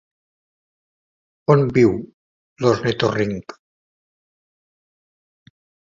On viu l'ornitorrinc?